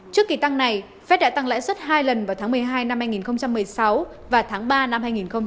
trước kỳ tăng này fed đã tăng lãi suất hai lần vào tháng một mươi hai năm hai nghìn một mươi sáu và tháng ba năm hai nghìn hai mươi